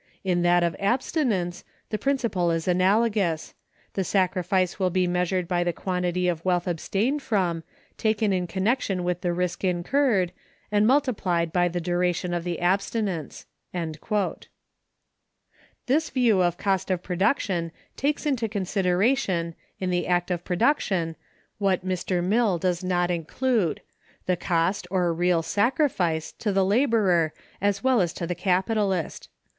In that of abstinence, the principle is analogous; the sacrifice will be measured by the quantity of wealth abstained from, taken in connection with the risk incurred, and multiplied by the duration of the abstinence."(216) This view of cost of production takes into consideration, in the act of production, what Mr. Mill does not include, the cost, or real sacrifice, to the laborer as well as to the capitalist.